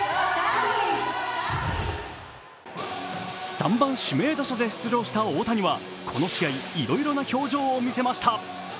３番・指名打者で出場した大谷は、この試合、いろいろな表情を見せました。